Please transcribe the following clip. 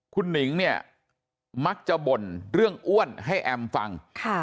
คุณหนิงเนี่ยมักจะบ่นเรื่องอ้วนให้แอมฟัง